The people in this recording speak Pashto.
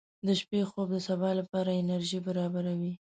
• د شپې خوب د سبا لپاره انرژي برابروي.